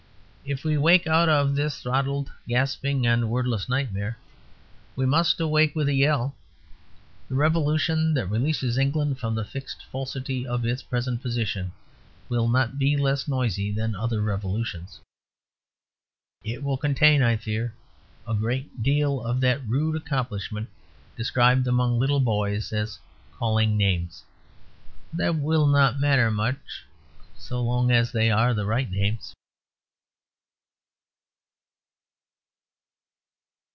If we wake out of this throttled, gaping, and wordless nightmare, we must awake with a yell. The Revolution that releases England from the fixed falsity of its present position will be not less noisy than other revolutions. It will contain, I fear, a great deal of that rude accomplishment described among little boys as "calling names"; but that will not matter much so long as they are the right names.